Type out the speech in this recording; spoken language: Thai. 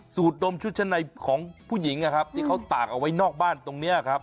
สูตรดมชุดชั้นในของผู้หญิงนะครับที่เขาตากเอาไว้นอกบ้านตรงนี้ครับ